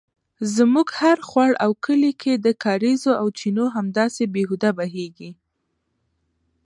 زموږ هر خوړ او کلي کې د کاریزو او چینو همداسې بې هوده بیهږي